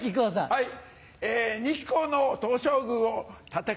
はい。